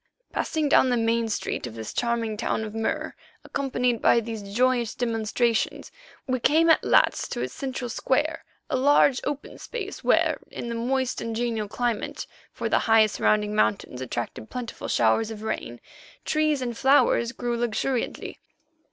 Passing down the main street of this charming town of Mur, accompanied by these joyous demonstrators, we came at last to its central square, a large, open space where, in the moist and genial climate, for the high surrounding mountains attracted plentiful showers of rain, trees and flowers grew luxuriantly.